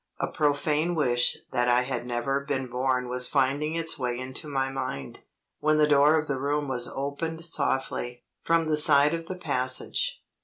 A profane wish that I had never been born was finding its way into my mind, when the door of the room was opened softly, from the side of the passage.